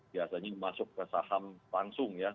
biasanya masuk ke saham langsung ya